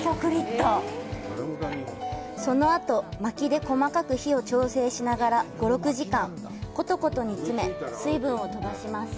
その後、薪で細かく火を調整しながら５６時間、コトコト煮詰め、水分を飛ばします。